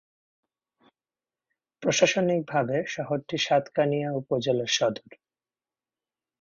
প্রশাসনিকভাবে শহরটি সাতকানিয়া উপজেলার সদর।